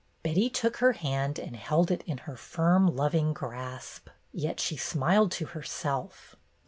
Betty took her hand and held it in her firm, loving grasp. Yet she smiled to herself.